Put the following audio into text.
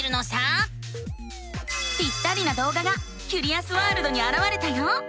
ぴったりなどうががキュリアスワールドにあらわれたよ。